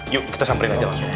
yuk kita samperin aja langsung